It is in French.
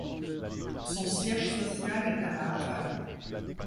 Son siège social est à la Havane.